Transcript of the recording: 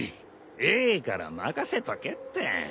いいから任せとけって。